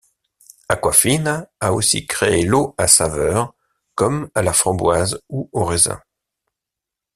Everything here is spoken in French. Aquafina a aussi créé l'eau à saveur comme à la framboise ou aux raisins.